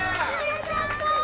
よかったー！